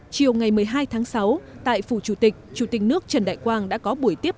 chiều ngày một mươi hai tháng sáu tại phủ chủ tịch chủ tịch nước trần đại quang đã có buổi tiếp